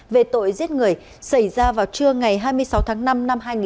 về tội giết người xảy ra vào trưa ngày hai mươi sáu tháng năm năm hai nghìn một mươi ba